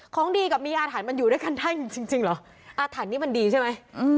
ของดีกับมีอาถรรพ์มันอยู่ด้วยกันได้จริงเหรออาถรรพ์นี้มันดีใช่ไหม